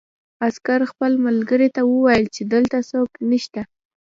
عسکر خپل ملګري ته وویل چې دلته څوک نشته